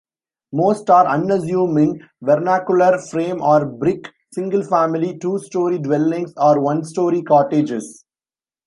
Most are unassuming, vernacular, frame or brick, single family, two-story dwellings or one-story cottages.